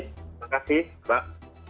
terima kasih mbak